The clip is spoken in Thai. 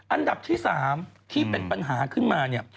อันดับที่๓ที่เป็นปัญหาขึ้นมาเนี่ย